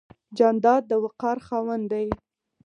جانداد د وقار خاوند دی.